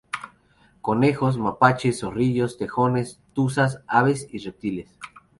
Conejos, mapaches, zorrillos, tejones, tuzas, aves y reptiles.